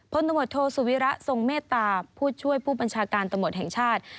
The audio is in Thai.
ตำรวจโทสุวิระทรงเมตตาผู้ช่วยผู้บัญชาการตำรวจแห่งชาติ